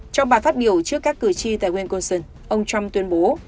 trong bài phát biểu trước các cử tri tại winson ông trump tuyên bố